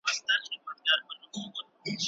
سحر نږدې دی، شپې نه ساه وباسه!